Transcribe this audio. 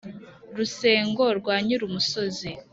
Rusengo rwa Nyirumusozi